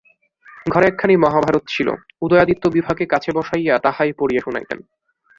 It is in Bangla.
ঘরে একখানি মহাভারত ছিল, উদয়াদিত্য বিভাকে কাছে বসাইয়া তাহাই পড়িয়া শুনাইতেন।